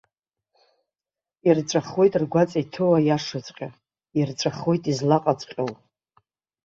Ирҵәахуеит ргәаҵа иҭоу аиашаҵәҟьа, ирҵәахуеит излаҟаҵәҟьоу.